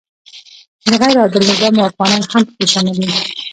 د غیر عادل نظام واکمنان هم پکې شامل وي.